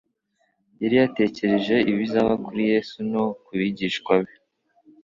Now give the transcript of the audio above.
Yari yatekereje ibizaba kuri Yesu no ku bigishwa be,